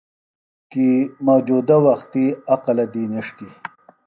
کی موجودہ وختی اقلہ دی نِݜکیۡ